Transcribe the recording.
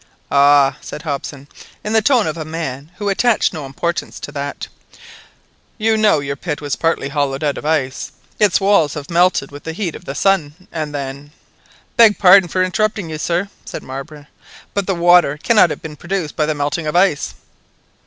"Ah!" said Hobson, in the tone of a man who attached no importance to that, "you know your pit was partly hollowed out of ice; its walls have melted with the heat of the sun, and then "—— "Beg pardon for interrupting you, sir," said Marbre; "but the water cannot have been produced by the melting of ice."